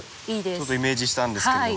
ちょっとイメージしたんですけれども。